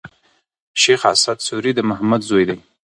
شېخ اسعد سوري د محمد زوی دﺉ.